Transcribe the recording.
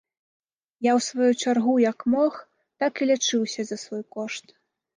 Я ў сваю чаргу як мог, так і лячыўся за свой кошт.